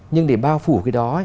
nhưng để bao phủ cái đó